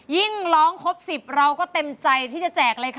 ยิ่งร้องครบ๑๐เราก็เต็มใจที่จะแจกเลยค่ะ